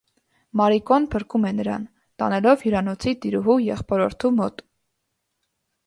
Մարիկոն փրկում է նրան, տանելով հյուրանոցի տիրուհու եղբորորդու մոտ։